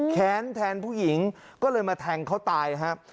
แค้นแทนผู้หญิงก็เลยมาแทงเขาตายครับ